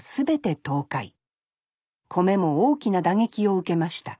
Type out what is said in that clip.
米も大きな打撃を受けました